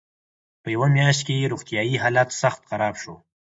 په یوه میاشت کې یې روغتیایي حالت سخت خراب شو.